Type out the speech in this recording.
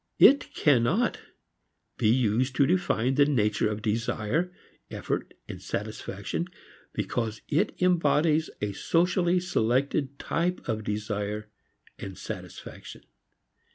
It cannot be used to define the nature of desire, effort and satisfaction, because it embodies a socially selected type of desire and satisfaction.